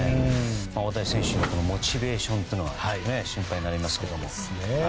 大谷選手のモチベーションというのが心配になりますけどね。